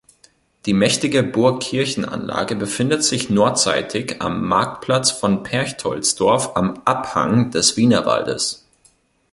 Die mächtige Burg-Kirchen-Anlage befindet sich nordseitig am Marktplatz von Perchtoldsdorf am Abhang des Wienerwaldes.